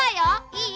いい？